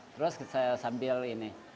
terus saya sambil ini